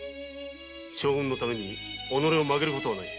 将軍のため己を曲げる事はない。